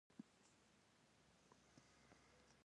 د هغو مختلفو ستونزو په هکله فکر کړی.